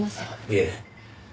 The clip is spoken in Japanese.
いえ。